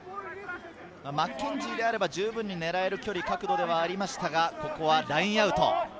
マッケンジーであれば、じゅうぶんに狙える距離、角度ではありましたがここはラインアウト。